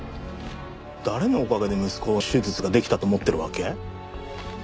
誰のおかげで息子の手術ができたと思ってるわけ？